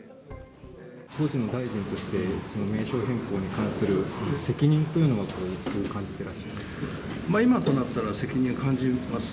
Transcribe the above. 当時の大臣として、名称変更に関する責任というのは、今となったら、責任を感じます。